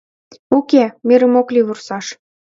— Уке, мерым ок лий вурсаш